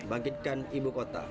bangkitkan ibu kota